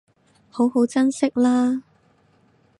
好好珍惜喇